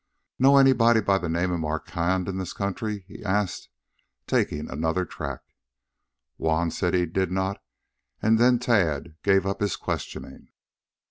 "Know anybody by the name of Marquand in this country?" he asked, taking another tack. Juan said he did not, and then Tad gave up his questioning.